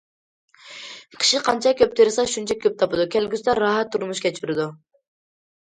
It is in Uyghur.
كىشى قانچە كۆپ تىرىشسا، شۇنچە كۆپ تاپىدۇ، كەلگۈسىدە راھەت تۇرمۇش كەچۈرىدۇ.